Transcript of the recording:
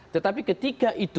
tetapi ketika itu